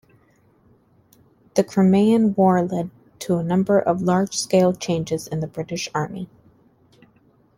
The Crimean War led to a number of large-scale changes in the British Army.